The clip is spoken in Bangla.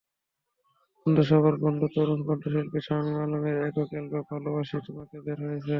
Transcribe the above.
বন্ধুসভার বন্ধু তরুণ কণ্ঠশিল্পী শামীম আলমের একক অ্যালবাম ভালবাসি তোমাকে বের হয়েছে।